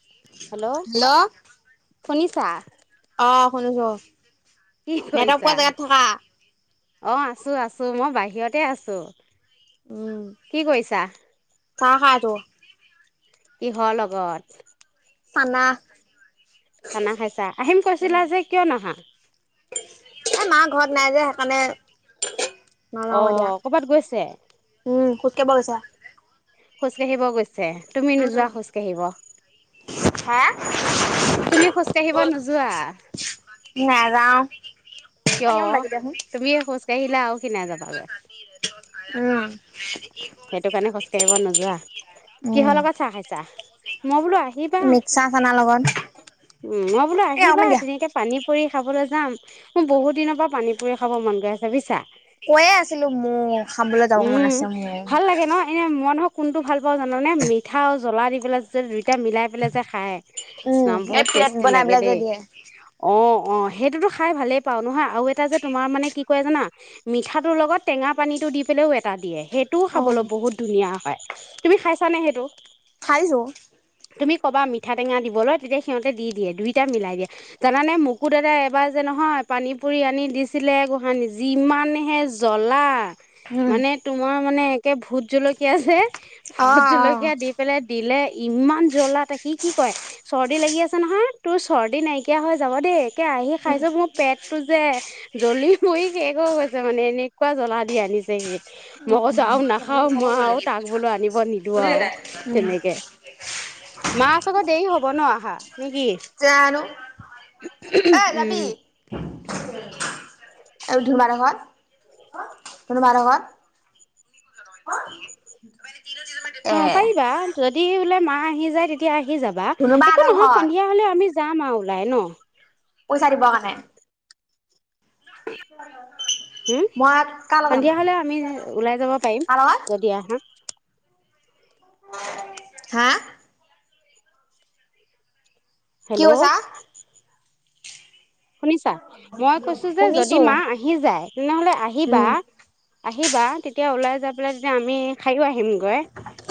Hello শুনিছা? অ শুনিছোঁ কি কৰিছা অ আছো আছো মই বাই ইয়াতে আছোঁ। উম কি কৰিছা? চাহ খাইছো। কিহৰ লগত? চানাহ। চানা খাইছা আহিম কৈছিলা যে কিয় নহা? এই মা ঘৰত নাই যে সেইকাৰণে অ নাজাও এ দিয়া। কৰ'বাত গৈছে উম খোজ কাঢ়িব গৈছা? খোজকাাঢ়িব গৈছে। তুমি নোযোৱা উম খোজ কাঢ়িব? হে তুমি খোজকাাঢ়িব নোযোৱা? নাযাও কিয় পানীঅকণ বাকি দিয়াচোন। তুমি এ খোজকাঢ়িলাও উম। সেইটো কাৰণে খোজকাঢ়িব নোযোৱা। উম কিহৰ লগত চাহ খাইছা? মই বোলো আহিবা। মিক্সাৰ চানাৰ লগত উম মই বোলো এ আহিবা অকমান দিয়া ধুনীয়কে পানী পুৰি খাবলৈ যাম। মোৰ বহুত দিনৰ পৰা পানীপুৰি খাব মন গৈ আছে বুজিছা। কৈয়ে আছিলো মোৰো খাবলৈ যাবলৈ উম মন আছে। মোৰ ভাল লাগে ন এনে মানুহক। কোনটো ভাল পাও জানানে মিঠা আৰু জ্বলা দি পেলাই যেই এতিয়া মিলাই পেলাই যে খাই উম এই বহুত প্লেট টেষ্টি বনাই লাগে পেলাই যে দেই দিয়ে অ আহ। সেইটোতো খাই ভালেই পাওঁ নহয় আৰু এটা যে তোমাৰ মানে কি কয় জানা মিঠাটোৰ লগত টেঙা পানীটো দি পেলাইও এটা দিয়ে সেই টোও অ খাবলৈ বহুত ধুনীয়া হয়। তুমি খাইছা নে সেইটো। খাইছো। তুমি ক'বা মিঠা টেঙা দিবলৈ তেতিয়া সিহঁতে দি দিয়ে দুইটা মিলাই দিয়ে জানানে মোকো দাদা এবাৰ যে নহয় পানীপুৰি আনি দিছিলে গোসানি যিমানহে জ্বলা। উম মানে তোমাৰ। মানে একে ভোত জলকীয়া যে অ ভোট অ জলকীয়া দি পেলাই দিলে। ইমান জ্বলাত সি কি কয় চৰ্দি লাগি আছে নহয় তোৰ চৰ্দি নাইকিয়া হৈ যাব দেই। তে আহি উম খাইছো মোৰ পেটটো যে। জ্বলি মৰি শেষ হৈ গৈছে মানে এনেকুৱা জ্বলা দি আনিছে সি। মই কৈছোঁ আৰু নাখাও মই আৰু তাক বোলো আনিব নিদওঁ আৰু উম তেনেকে মা আচলতে দেৰি হব ন আহা নেকি জানো এ যাবি উম। মম ধুন বা ঘৰত ধুন বা সেতৰ ঘৰত। [inaudible] এ অ', পাৰিবা যদি বোলে মা আহি যায় তেতিয়া আহ হি যাবা ধুনুবা একো হঁতৰ নহয় ঘৰত সন্ধিয়া হ'লে আমি যাম আৰু ওলাই ন' পইচা দিব কাৰণে [inaudible] হুম মই কাৰ লগত যাম সন্ধিয়া হ'লে আমি ওলাই যাব পাৰিম কাৰ লগত যদি আহা হা কি হেল্ল' কৈছা শুনিছা মই কৈছো যে, যদি শুনিছো মা আহি যায় তেনেহ'লে আহিবা উম আহিবা তেতিয়া ওলাই যায় পেলাই তেতিয়া আমি খায়ো আহি আহিমগৈ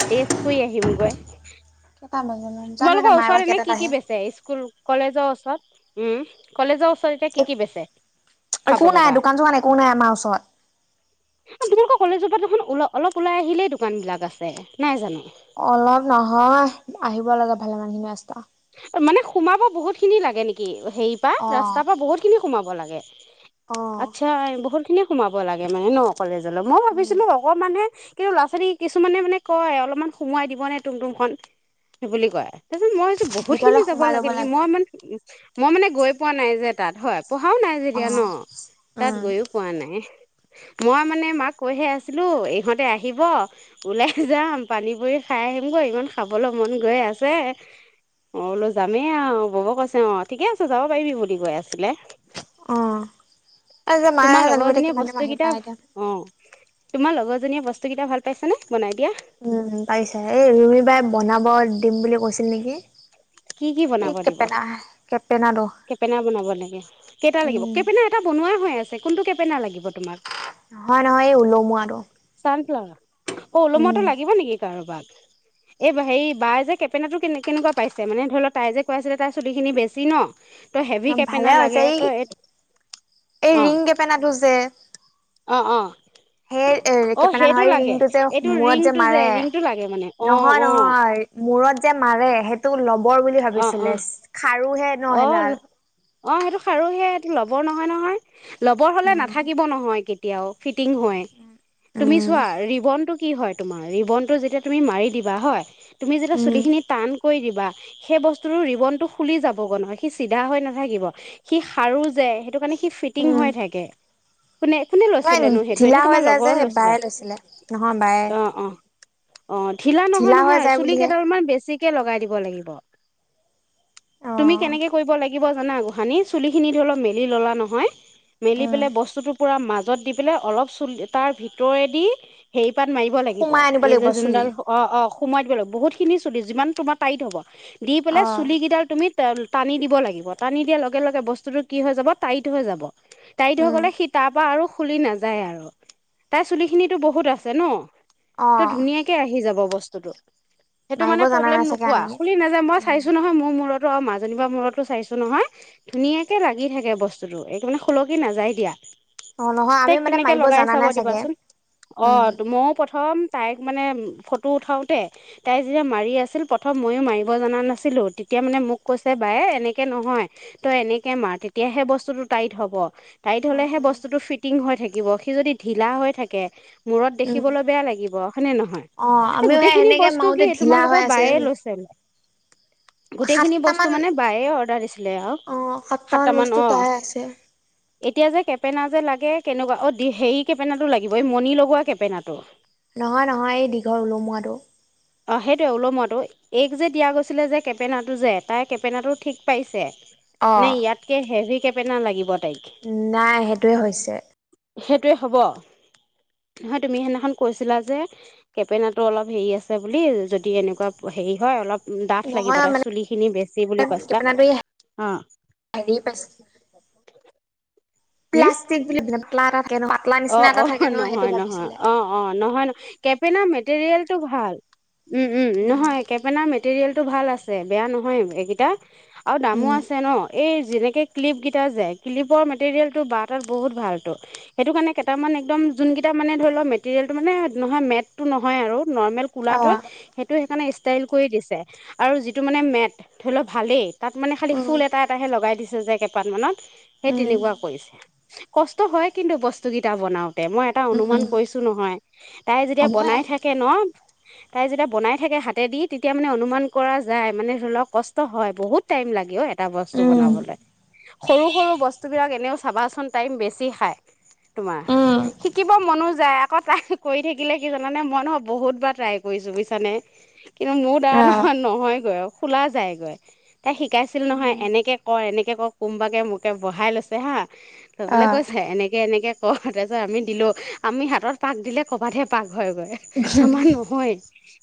তেজপুৰি আহিম গৈ কেইটা বাজিলে জানো তোমালোকৰ এতিয়া মায়ে বা ওচৰত এনে কেইটাত কি কি আহে বেচে স্কুল কলেজৰ ওচ [unintelligible] উম, কলেজৰ ওচ এক একো নাই লগা দোকান-চোকান একো নাই আমাৰ ওচৰত কলেজোপাৰ পৰা দেখোন ওল অলপ ওলাই আহিলেই দোকানবিলাক আছে নাই জানো! অলপ নহয় আহিব লাগে [unintelligible] মানে সোমাব বহুতখিনি লাগে নেকি? হেৰি পৰা অ ৰাস্তাৰ পৰা বহুতখিনি সোমাব হ'ব লাগে অ আতচ্ছা বহুতখনি সোমাব লাগে মানে ন' কলেজলৈ মই উম ভাবিছিলো অকমান হে কিন্তু, ল'ৰা-ছোৱালী কিছুমানে মানে কয় অলপমান সোমোৱাই দিব নে তুম-তুম খন বুলি কয় ভিতৰলে বহুতখিনি যাব সোমাই লাগে ল'ব নেকি মই ইমান মই মানে গৈ পোৱা নাই যে তাত হয় পঢ়াও নাই অ যেতিয়া ন' তাত উম গৈও পোৱা নাই। মই মানে মাক কৈ হে আছিলো ইহঁতে আহিব ওলাই যাম পানী পুৰি খাই আহিমগৈ ইমান খাবলৈ মন গৈ আছে। ম বোলো যামেই আৰু [unintelligible] কৈছে অ', ঠিকে আছে যাব পাৰিবি বুলি গৈ আছিলে। অ' এই যে মায়ে তোমাৰ আহে জানিব এতিয়া লগৰজনীয়ে কিমান টাইম বস্তু আহি পাই কিতাপ এতিয়া অ' তোমাৰ লগৰজনীয়ে বস্তুকেইটা ভাল পাইছে নে'? উম পাইছা এই ৰুমিবাই বনাব দিম বুলি কৈছিল নেকি কি কি এই বনাব দিব কেপেনা কেপেনাটো কেপেনা বনাব লাগে কেইটা লাগিব উম কেপেনা এটা বন নয় হৈ আছে কোনটো কেপেনা লাগিব তোমাক নহয় নহয় এই ওলমো আৰু অ ওলমটো লাগিব নেকি কাৰোবাক এই হে বায় যে কেপেনটো কে কেনেকুৱা পাইছে মানে ধৰি লও তাই যে কৈ আছিলে তাই চুলি খিনি বেছি ন ত হেভি ভালে কেপেনা হৈছে লাগে ত এই এই অ ৰিং কেপেনাটো যে অ' অ' সেই অ কেপেনা সেইটো নহয় লাগে ৰিংটো যে এইটো মূৰত যে ৰিংটো মাৰে ৰিংটো লাগে মানে অ নহয় অ নহয় মূৰত যে মাৰে সেইটো ল'ব বৰ বুলি অ অ ভাবিছিলে খাৰোহে নহেডাল কি ল'বৰ নহয় নহয় লবৰ হলে নাথাকিব নহয় কেয়া দিয়া আও ফিত তিং হয় তুমি উম চোৱা ৰিবনটো কি হয় তোমাৰ ৰিবনতটো যেতিয়া তুমি মাৰি দিবা হয় তুমি যেতিয়া উম চুলিখিনি টান কৰি দিব বা সেই বস্তুতটো ৰিবনতটো খুলি যাবগৈ নহয় সি চিধা হৈ নাথাকিব সি সাৰো যে সেইটো কাৰণে সি ফিটিং হৈ থাকে কোনে কোনে মই লৈছিলেনো সেইটো ঢিলা এনে হৈ তোমাৰ যায় যে লগৰ বায়ে লৈছিলে নহয় বায়ে অ অ অ ঢিলা নহয় হৈ নহয় যায় চুলি বুলিহে কেইডালমান বেছি কে লগাই দিব লাগিব তুমি অ কেনেকে কৰিব লাগিব জানা গোহানি চুলিখিনি ধল মেলি ল'লা নহয় মেলি উম, পেলে বস্তুতো পুৰা মাজ মাজত দি পেলে অলপ চুলি তাৰ ভিতৰেদি হেৰি হয় খোপাত মাৰিব লাগিব সোমাই আনিব এই লাগিব যে চুলি যোনডাল অ অ সোমাই দিব লাগিব বহুতখিনি চুলি যিমান তোমাৰ টাইত হ'ব দি পেলাই অ', চুলিকেইডাল তুমি টান টানি দিব লাগিব টানি দিয়াৰ লগে লগে বস্তুটো কি হৈ যাব টাইট হৈ যাব। টাইট হৈ উম, গলে সি তাৰ পৰা আৰু খুলি নাযায় আৰু। তাই চুলি খিনিটো বহুত আছে ন তো অ', ধুনীয়াকে আহি যাব বস্তু [unintelligible] সেইটো মাৰিব মানে জানা প্ৰব্লেম নাই চাগে নোপোৱা আমি খুলি নাযা মই উম, চাইছো নহয় মোৰ মূৰতো আৰু মাজনী বা মূৰতো চাইছো নহয় ধুনীয়াকে লাগি থাকে বস্তুতটো এইটো সুলকি নাযায় দিয়া। অ', নহয় আমি তাইক মানে তেনেকে মাৰিব লগাই জানা চাব নাই চাগে দিবাচোন। অ উম, মইয়ো প্ৰথম তাইক মানে ফটো উঠাওঁতে তাই যেতিয়া মাৰি আছিল প্ৰথম ময়ো মাৰি ব নাছিলো তেতিয়া মানে মোক কৈছে বাইয়ে এনেকে নহয়, তই এনেকে মাৰ তেতিয়াহে বস্তুটো টাইট হ'ব, টাইট অ', হ'লেহে অ', বস্তুটো ফিটিং হৈ থাকিব, সি যদি ঢিলা হৈ থাকে মূৰত উম, দেখিবলৈ বেয়া লাগিব। হয়নে নহয়? অ', এই আমিও সেই গোটেইখিনি সেনেকে বস্তু কি মাৰোতে ঢিলা হৈ তোমালোকৰ আছে বায়ে লৈছে? গোটেইখিনি বস্তু সাতটামান মানে বায়ে অৰ্ডাৰ দিছিলে আৰু অ', সাতটামান বস্তু অ তাই আছে এতিয়া যে কেপেনা যে লাগে কেনেকুৱা অ দি হেৰি কেপেনাটো লাগিব এই মণি লগোৱা কেপেনাটো? নহয় - নহয় এই দীঘল ওলোমোৱাটো। অহ ', সেইটোৱে ওলোমোৱাটো এইক যে দিয়া গৈছিলে যে কেপেনাটো যে তাই কেপেনাটো ঠিক পাইছে। নে অ', ইয়াতকে হেভি কেপে পেনা লাগিব তাইক নাই সেইটোৱে হৈছে। সেইটোৱে হ'ব? নহয় তুমি সেইদিনাখন কৈছিলা যে কেপেনাটো অলপ হেৰি আছে। বুলি যদি এনেকুৱা হেৰি হয় অলপ। ডাঠ লাগিব নহয় তাৰ মানে চুলি খিনি বেছি বুলি কৈছিলা কেপেনাটো এই অহ ',। হেৰি পাইছে প্লাষ্টিক বুলি [unintelligible] অ নিচিনা অ এটা থাকে ন সেইটো নহয় নহয় ভাবিছিলে অ অ নহয় নহয়। কেপেনা মেটেৰিয়েলটো ভাল। উম - উম নহয় কেপেনাৰ মেটেৰিয়েল। টো ভাল আছে বেয়া নহয় এইকেইটা। আৰু দামো উম, আছে ন এই যেনেকে ক্লিপ কেইটা যে ক্লিপৰ মেটেৰিয়েলটো বাৰ তাত বহুত ভালতো। সেইটো কাৰণে কেইটামান একদম যোনকেইটা মানে ধৰি লওক মেটেৰিয়েলটো মানে নহয় মেটটো নহয় আৰু। নৰ্মেল কুলাটোৱে অ', সেইটো সেইকাৰণে ইষ্টাইল কৰি দিছে, আৰু যিটো মানে মেট ধৰি লওক ভালেই তাত মানে খালি ফুল উম, এটা এটাহে লগাই দিছে। যে কেইটাত মানত সেই উম, তেনেকুৱা কৰিছে কষ্ট হয়। কিন্তু বস্তুকেইটা বনাওক, মই এটা অনুমান উম, কৰিছো নহয় তাই যেতিয়া হ'বই বনাই থাকে ন তাই যেতিয়া বনাই থাকে হাতেদি তেতিয়া মানে অনুমান কৰা যায় মানে ধৰি লওক কষ্ট হয় বহুত টাইম লাগে অ এটা বস্তু উম, বনাবলৈ সৰু সৰু বস্তু বিলাক এনেও চাবাচোন টাইম বেছি খায় তোমাৰ উম, শিকিব মনো যায় আকৌ তাই কৰি থাকিলে কি জানানে মই নহয় বহুত বাৰ ট্ৰাই কৰিছো বুজিছানে কিন্তু মোৰ দাৰা অ', নহয়গৈ আৰু খোলা যায়গৈ তাই শিকাইছিল নহয় এনেকে কৰ এনেক কৰ কোনবাকে মোকে বঢ়াই লৈছে হাঁ তৈ বোলে অ', কৈছা এনেকে এনেকে কৰ তাৰপিছত আমি দিলো আমি হাতত পাক দিলে ক'বাতহে পাক হয় ঘ আমাৰ নহয়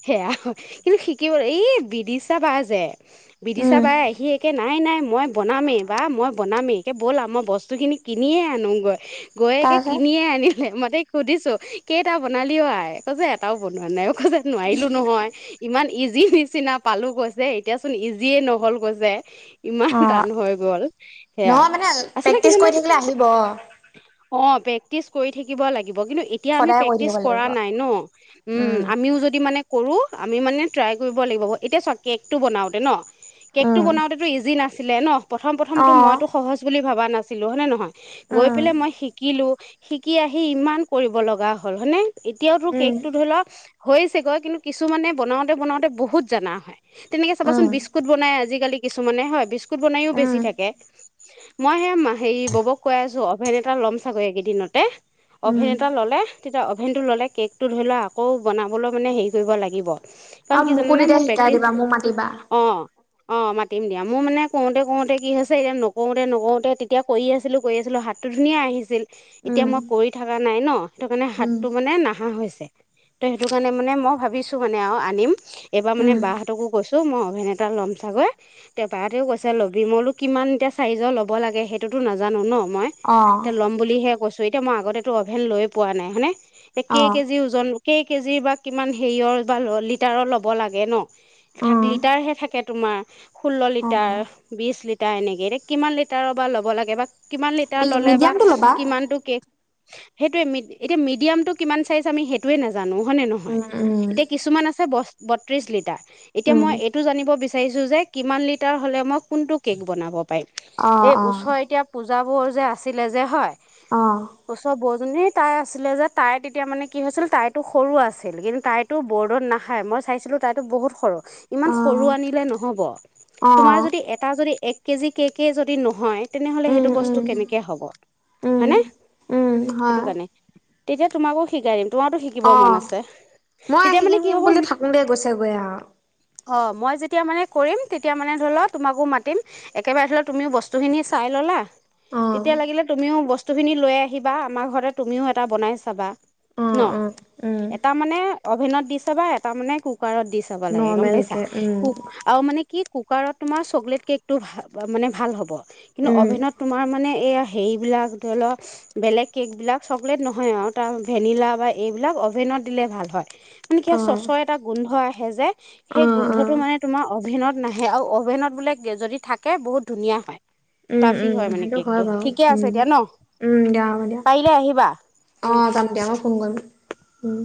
সেয়া হয় কিন্তু শিকিব এই বিদশা বা যে বিধ চা উম, বাই আহি তে নাই নাই মই বনামেই বা মই বনামেই এতিয়া ব'লা আৰু মই বস্তু খিনি কিনিয়ে আনোগৈ গৈ একে তাৰপিছত কিনিয়ে আনি মইতেই সুধিছো কেইটা বনালি অ আই ক' যে এটাও বনোৱা নাই অ যে নোৱাৰিলো নহয় ইমান ইজি নিচিনা পালো কৈছে এতিয়াচোন ইজিয়ে নহল কৈছে ইমান টান অ', হৈ গল সেয়া নহয় মানে আছিলে প্ৰেক্টিচ কিজানা কৰি থাকিলে আহিব অ প্ৰেক্টিচ কৰি থাকিব লাগে ু এতিয়া সদায় কৰি থাকিব প্ৰে লাগিব। ন ন উ উম, আমিও যদি মানে কৰোঁ আমি মানে ট্ৰাই কৰিব লাগিব এতিয়া চ কেকটো বনাওঁতে ন কেক টো উম, বনাওতেতটো ইজি নাছিল আছিলে ন প্ৰথম প্ৰথমতটো অ', মইতো সহজ বুলি ভাবা না আছিলো হয় নে নহয় গৈ উম, পেলাই মই শিকিলোঁ শিকি আহি ইমান কৰিব লগা হ'ল হনে এতিয়াও তোৰ উম, কেক টো ধৰিলোৱা হৈছেগৈ কিন্তু কিছুমানে বনাওঁতে বনাওতে বহুত জাননা হয় তেনেকে চাবাচোন উম, বিস্কুট বনাই আজিকালি কিছুমানে হয় বিস বনাইও বেছি উম, থাকে মই সে মা সেই ববক অভেন এটা ল'ম চাগৈ এই কেইদিনতে। উম, অভিনেতা ল'লে তেতিয়া অ'ভেনটো ল'লে কেকটো ধৰি লোৱাক আকৌ বনাবলৈ মানে হেৰি কৰিব লাগিব। অ কাৰণ কি মোকো জানানে তেতিয়া মোৰ শিকাই দিবা। মোক মাতিবা অ মাতিম দিয়া মোৰ মানে কৰোতে কৰোতে কি হৈছে এতিয়া নকৰোতে নকৰোতে তেতিয়া কৰি আছিলোঁ। গৈ আছিলোঁ হাতটো ধুনীয়া আহিছিল। এতিয়া উম, মই কৰি থাককা নাই ন? সেইটো কাৰণে উম, হাতটো মানে না হা হৈছে ত' সেইটো কাৰণে মানে মইও ভাবিছো মানে আৰু আনিম। এইবাৰ মানে উম, বা হতকো কৈছোঁ। মই অভেন এটা ল'ম ছাগৈ, তেপাৰহতেও কৈছে লবি মই বোলোঁ কিমান এতিয়া চাইজৰ ল'ব লাগে সেইটোতো নাজানোঁ জানো ন। মই অ', এতিয়া ল'ম বুলিহে কৈছোঁ। [unintelligible] এতিয়া মই আগতেতো অভেন লৈয়ে পোৱা নাই, হয়নে? কে অ', কেজি ওজন সেই কেজিৰ বা কিমান হেৰিয়ৰ বা ল, লিটাৰৰ ল'ব লাগে ন? সাত‌ অ', লিটাৰহে থাকে তোমাৰ। ষোল্ল অ', লিটাৰ, বিশ লি এনেকে এতিয়া কিমান লিটাৰৰ বা ল'ব লাগে বা কিমান লিটাৰ মি ললে বা, মিডিয়ামটো ল'বা কিমানতটো কেক সেইটোয়ে ম এতিয়া মিডিয়াম টো কিমান চাইজ আমি সেইটোয়ে নাাজানো। জানো হয় নে নহয়? উম, উম। এতিয়া কিছুমান আছে বস্ত বত্ৰিছ লিটাৰ। এতিয়া উম মই এইটো জানিব বিচাৰোঁ বিচাৰিছোঁ যে কিমান লিটাৰ হ'লে মই কোনটো কে'ক বনাব অ এই অ ওচৰ এতিয়া পূজাবোৰ যে, আছিলে যে, হয়। অ চব বৰ্ড যোনেই তাই আছিলে যে তাই তেতিয়া মানে কি হৈছিল তাইৰতো সৰু আছিল কিন্তু তাইৰতো বৰ্ডত নাখায় মই চাইছিলোঁ তাইতো বহুত সৰু ইমান অ সৰু আনিলে নহব। অ তোমাৰ যদি, এটা যদি এক কে জি কেকে যদি নহয় তেনেহ'লে উম বস্ত উম কেনেকে হ'ব, উম হয়নে? উম সেইটো হয় কাৰণ তোমোকো শিকাই দিম তোমাৰতো শিকিব অ মন আছে মই তেতিয়া মানে শিকিম কি শিকিম হ'ব বুলি থাকোঁতেই গৈছে গৈ আ অ মই যেতিয়া মানে কৰিম তেতিয়া মানে ধৰি ল তোমাকো মাতিম একেবাৰে ধৰি ল তুমিও বস্তুখিনি চাই ল'লা। অ তেতিয়া লাগিলে তুমিও বস্তু বস্তুখিনি লৈ আহিবা আমাৰ ঘৰতে তুমিও এটা বনাই চাবা অ ন অ উম এটা মানে অভেনত দিছে বা এটা মানে [unintelligible] কুকাৰত দি চাব লাগে গম পাইছা নৰ্মেলকে উম কু আৰু মানে কি? কুকাৰত তোমাৰ চকলেট কেকটো ভ মানে ভাল হ'ব কিন্তু উম অভেনত মানে এই হেৰিবিলাক ধৰি লওক বেলেগ কেকবিলাক চকলেট নহয় আৰু তাৰ ভেনিলা বা এইবিলাক অ'ভেনত দিলে ভাল হয় মানে কিব অ চচৰ এটা গোন্ধ আহ হে জছ অ সেই অ গোন্ধটো মানে তোমাৰ অভেনত। নাহে আৰু অভেনত বোলে যদি থাকে বহুত ধুনীয়া হয়। উম, ফ্লাফি হয় উম, মানে সেইটো কেকটো হয় বাৰু ঠিকে উম, আছে দিয়া ন দিয়া হ'ব দিয়া পাৰিলে আহিবা উম অঁ যাম দিয়া মই ফোন কৰিম।